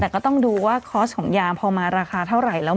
แต่ก็ต้องดูว่าคอร์สของยาพอมาราคาเท่าไหร่แล้ว